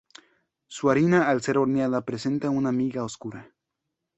Su harina al ser horneada presenta una miga oscura.